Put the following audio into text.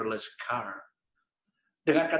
dengan menciptakan mobil tanpa pengangguran